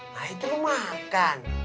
nah itu mau makan